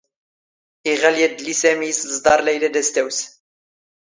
ⵉⵖⴰⵍ ⵢⴰⴷⵍⵍⵉ ⵙⴰⵎⵉ ⵉⵙ ⵜⵥⴹⴰⵕ ⵍⴰⵢⵍⴰ ⴰⴷ ⴰⵙ ⵜⴰⵡⵙ.